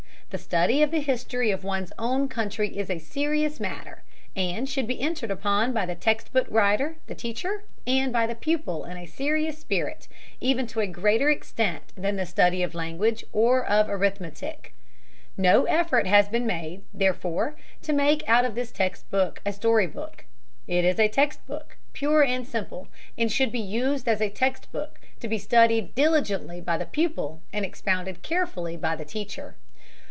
The study of the history of one's own country is a serious matter, and should be entered upon by the text book writer, by the teacher, and by the pupil in a serious spirit, even to a greater extent than the study of language or of arithmetic. No effort has been made, therefore, to make out of this text book a story book. It is a text book pure and simple, and should be used as a text book, to be studied diligently by the pupil and expounded carefully by the teacher.